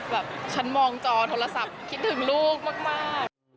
แบบฉันมองจอโทรศัพท์คิดถึงลูกมาก